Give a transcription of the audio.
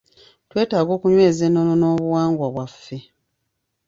Twetaaga okunyweza ennono n'obuwangwa bwaffe.